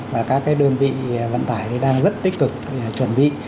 và các đơn vị vận tải thì đang rất tích cực chuẩn bị